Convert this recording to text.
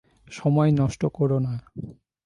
সময় নষ্ট করো না।